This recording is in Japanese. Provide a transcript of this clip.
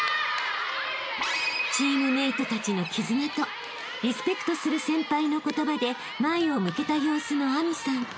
［チームメイトたちの絆とリスペクトする先輩の言葉で前を向けた様子の明未さん］